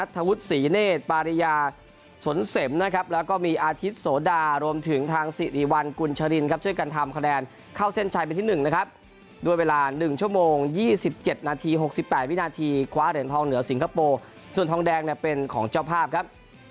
ธวุฒิศรีเนธปาริยาสนเสมนะครับแล้วก็มีอาทิตย์โสดารวมถึงทางสิริวัลกุลชรินครับช่วยกันทำคะแนนเข้าเส้นชัยเป็นที่๑นะครับด้วยเวลา๑ชั่วโมง๒๗นาที๖๘วินาทีคว้าเหรียญทองเหนือสิงคโปร์ส่วนทองแดงเนี่ยเป็นของเจ้าภาพครับ